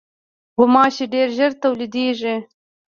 غوماشې ډېر ژر تولیدېږي.